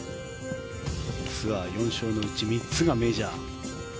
ツアー４勝のうち３つがメジャー。